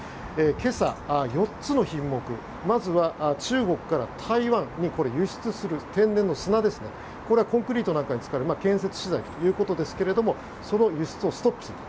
今朝、４つの品目まずは中国から台湾に輸出する天然の砂ですね、これはコンクリートなんかに使われる建設資材ということですがその輸出をストップする。